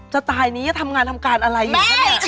สไตล์นี้เยอะทำงานทำการอะไรเอะ